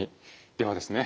ではですね